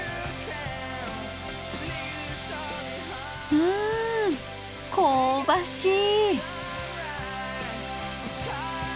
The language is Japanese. うん香ばしい。